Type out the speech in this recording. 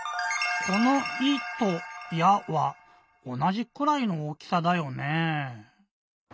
この「い」と「や」はおなじくらいの大きさだよね？